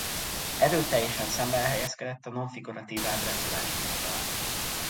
Erőteljesen szembe helyezkedett a nonfiguratív ábrázolás móddal.